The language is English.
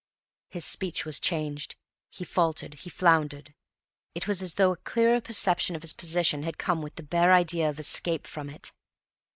His speech was changed; he faltered, floundered. It was as though a clearer perception of his position had come with the bare idea of escape from it.